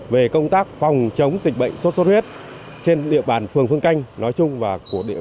về công tác phòng chống dịch bệnh xuất xuất huyết